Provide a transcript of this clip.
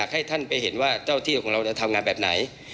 มีการที่จะพยายามติดศิลป์บ่นเจ้าพระงานนะครับ